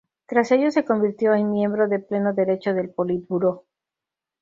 Tras ello se convirtió en miembro de pleno derecho del Politburó.